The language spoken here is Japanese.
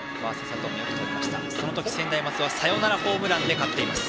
その時、専大松戸はサヨナラホームランで勝っています。